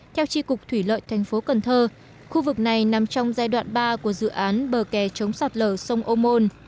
theo tri cục thủy lợi thành phố cần thơ khu vực này nằm trong giai đoạn ba của dự án bờ kè chống sạt lở sông ô môn